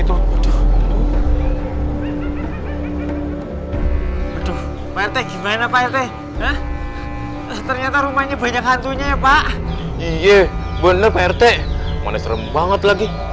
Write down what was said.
ternyata rumahnya banyak hantunya pak iya bener perte manis rem banget lagi